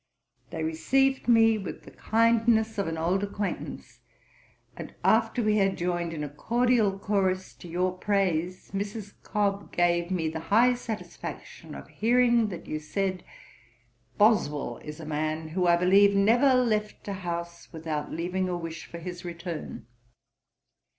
They received me with the kindness of an old acquaintance; and after we had joined in a cordial chorus to your praise, Mrs. Cobb gave me the high satisfaction of hearing that you said, "Boswell is a man who I believe never left a house without leaving a wish for his return."